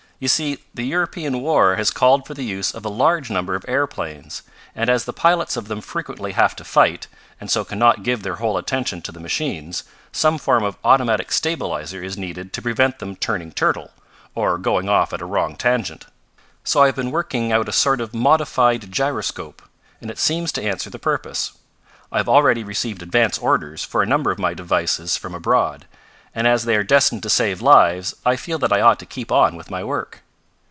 You see the European war has called for the use of a large number of aeroplanes, and as the pilots of them frequently have to fight, and so can not give their whole attention to the machines, some form of automatic stabilizer is needed to prevent them turning turtle, or going off at a wrong tangent. "So I have been working out a sort of modified gyroscope, and it seems to answer the purpose. I have already received advance orders for a number of my devices from abroad, and as they are destined to save lives I feel that I ought to keep on with my work.